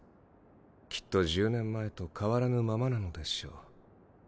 きっと１０年前と変わらぬままなのでしょう。